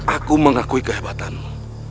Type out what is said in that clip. aku mengakui kehebatanmu